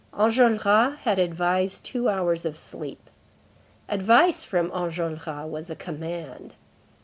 Enjolras had advised two hours of sleep. Advice from Enjolras was a command.